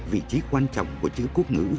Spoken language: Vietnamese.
vị trí quan trọng của chữ quốc ngữ